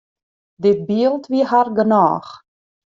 Dit byld wie har genôch.